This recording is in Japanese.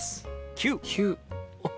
９。